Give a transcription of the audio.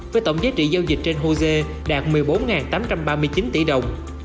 với tổng giá trị giao dịch trên hosea đạt một mươi bốn tám trăm ba mươi chín tỷ đồng